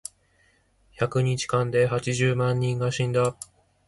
百日間で八十万人が死んだ。